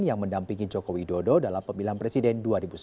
yang mendampingi jokowi dodo dalam pembilang presiden dua ribu sembilan belas